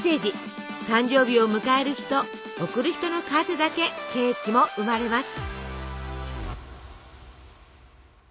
誕生日を迎える人贈る人の数だけケーキも生まれます。